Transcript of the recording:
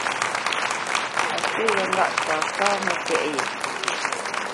A swe wé ŋgâʼ sasá mətéʼ ye.